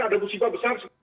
ada musibah besar